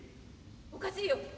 おかしいよ。